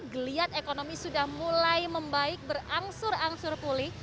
geliat ekonomi sudah mulai membaik berangsur angsur pulih